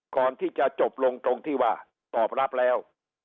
ก่อนที่จะจบลงตรงที่ว่าตอบรับแล้ว